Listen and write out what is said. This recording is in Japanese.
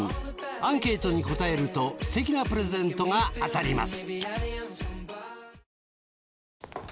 アンケートに答えるとすてきなプレゼントが当たります。